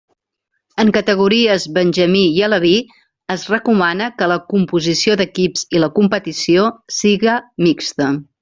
En categories benjamí i aleví es recomana que la composició d'equips i la competició siga mixta.